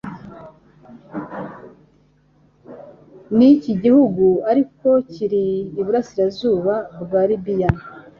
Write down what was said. Niki gihugu Ariko kiri Iburasirazuba bwa Libiya